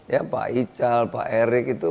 ya pak ical pak erik itu